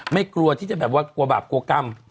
กลัวที่จะแบบว่ากลัวบาปกลัวกรรม